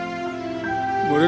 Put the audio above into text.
mereka bilang mereka merindukan rumah